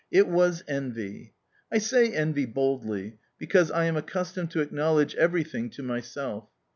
It was envy. I say "envy" boldly, because I am accustomed to acknowledge everything to myself.